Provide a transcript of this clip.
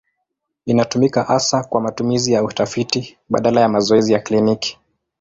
Inatumika hasa kwa matumizi ya utafiti badala ya mazoezi ya kliniki.